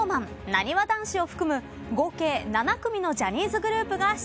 なにわ男子を含む合計７組のジャニーズグループが出演。